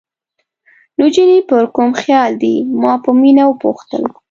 نجونې پر کوم خیال دي؟ ما په مینه وپوښتل.